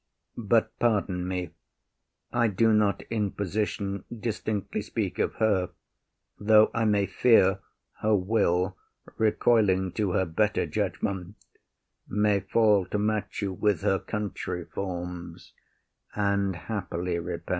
But pardon me: I do not in position Distinctly speak of her, though I may fear Her will, recoiling to her better judgement, May fall to match you with her country forms, And happily repent.